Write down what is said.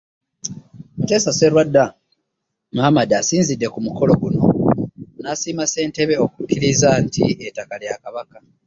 Muteesa Sserwadda Muhammad asinzidde ku mukolo guno n'asiima ssentebe okukkiriza nti ettaka lya Kabaka.